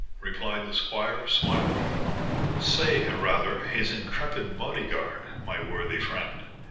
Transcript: replied the squire, smilingly. "Say, rather, his intrepid body guard, my worthy friend.